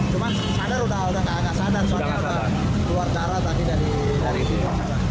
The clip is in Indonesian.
cuman sadar udah gak sadar soalnya udah keluar darah tadi dari situ